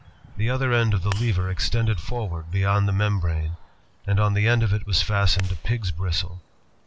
The other end of the lever extended forward beyond the mem brane, and on the end of it was fastened a pig's bristle.